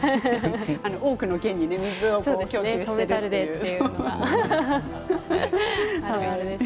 多くの県に水を供給していますよね。